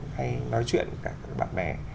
hay nói chuyện với các bạn bè